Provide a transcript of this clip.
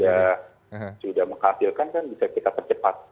ya sudah menghasilkan kan bisa kita percepat